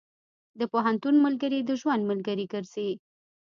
د پوهنتون ملګري د ژوند ملګري ګرځي.